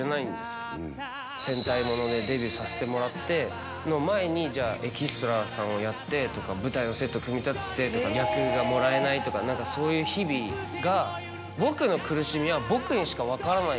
がこちら戦隊ものでデビューさせてもらっての前にエキストラさんをやってとか舞台のセット組み立ててとか役がもらえないとかそういう日々が僕の苦しみは僕にしか分からない